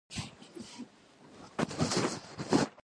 ټول به هماغه و چې په کتابونو کې یې لوستي وو.